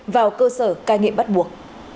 vào cơ sở cai nghiện bắt buộc